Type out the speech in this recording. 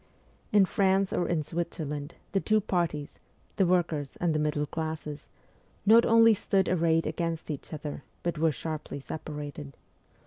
In France or in Switzerland, the two parties the workers and the middle classes not only stood arrayed against each other, but were sharply separated.